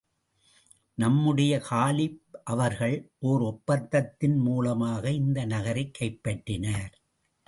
நம்முடைய காலிப் அவர்கள் ஓர் ஒப்பந்தத்தின் மூலமாக இந்த நகரைக் கைப்பற்றினார்.